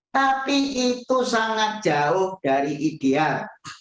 tapi itu sangat jauh dari ideal